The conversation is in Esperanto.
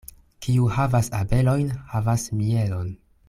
Kiu havas abelojn, havas mielon.